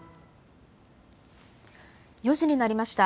４時になりました。